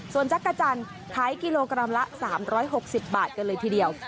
ส่วนจักรจันทร์ขายกิโลกรัมละ๓๖๐บาทกันเลยทีเดียว